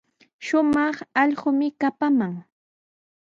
Shumaq allquumi kapaman.